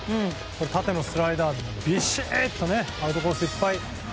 縦のスライダー、びしっとアウトコースいっぱい。